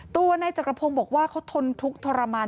ตัวนายจักรพงศ์บอกว่าเขาทนทุกข์ทรมาน